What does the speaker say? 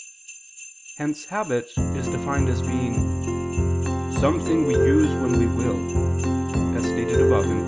Hence habit is defined as being "something we use when we will," as stated above (Q.